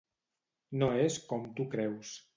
No és com tu creus.